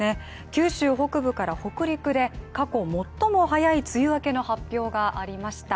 九州北部から北陸で過去最も早い梅雨明けの発表がありました。